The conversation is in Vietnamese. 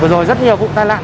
vừa rồi rất nhiều vụ tai lạc